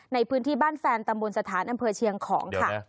ในพื้นที่บ้านแฟนตำบลสถานอำเภอเชียงของค่ะ